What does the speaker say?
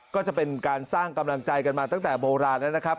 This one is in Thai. ก็จะเป็นการสร้างกำลังใจกันมาตั้งแต่โบราณแล้วนะครับ